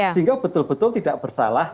sehingga betul betul tidak bersalah